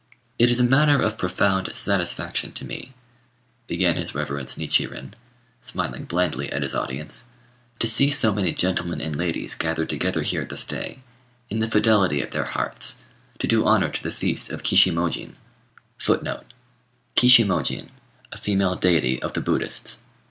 "It is a matter of profound satisfaction to me," began his reverence Nichirin, smiling blandly at his audience, "to see so many gentlemen and ladies gathered together here this day, in the fidelity of their hearts, to do honour to the feast of Kishimojin." [Footnote 84: Kishimojin, a female deity of the Buddhists.